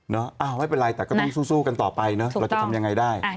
น้ออ้าวไม่เป็นไรแต่ก็ต้องสู้กันต่อไปเนอะเราจะทำยังไงได้ถูกต้อง